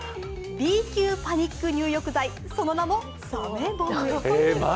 Ｂ級パニック入浴剤、その名もサメボム。